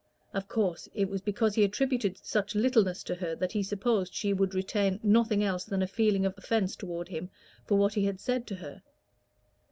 Of course it was because he attributed such littleness to her that he supposed she would retain nothing else than a feeling of offence toward him for what he had said to her.